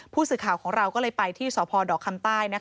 ผู้สื่อข่าวของเราก็เลยไปที่สพดอกคำใต้